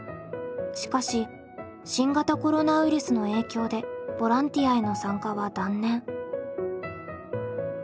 しかし新型コロナウイルスの影響でボランティアへの参加は断念。